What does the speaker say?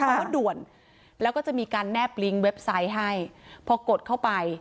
มันก็ด่วนแล้วก็จะมีการแนบลิงก์เว็บไซต์ให้พอกดเข้าไป